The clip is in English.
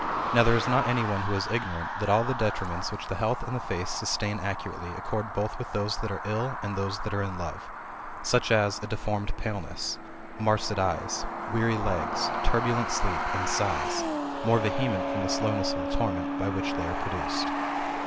Now there is not any one who is ignorani, that all the detriments which the health and the face sustain accurately accord both with those that are ill, and those that are in love ; such as, a deformed paleness, marcid eyes, weary legs, turbulent sleep, and sighs, more vehement from the slowness of the torment [by which they are produced].